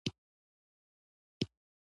متن څېړونکی باید دیانت داره وي.